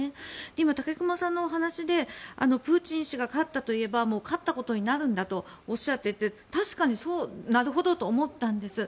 今、武隈さんのお話でプーチン氏が勝ったと言えばもう勝ったことになるんだとおっしゃっていて確かになるほどと思ったんです。